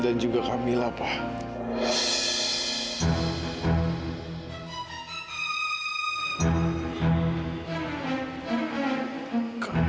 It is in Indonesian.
dan juga kamila pak